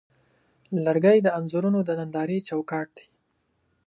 لرګی د انځورونو د نندارې چوکاټ دی.